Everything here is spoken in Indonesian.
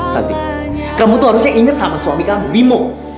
santi kamu tuh harusnya inget sama suami kamu mimo